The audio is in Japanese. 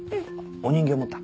お人形持った？